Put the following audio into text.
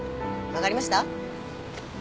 分かりました。